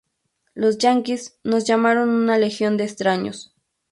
Los yanquis nos llamaron una Legión de Extraños.